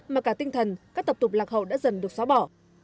mà cả tinh thần các tập tục lạc hậu đã dần được xóa bỏ